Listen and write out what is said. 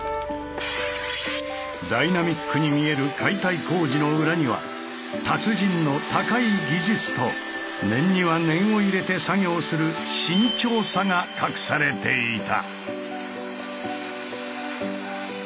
ダイナミックに見える解体工事の裏には達人の高い技術と念には念を入れて作業する慎重さが隠されていた。